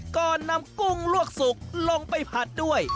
ก่อนนำกุ้งลวกสุกลงไปผัดด้วย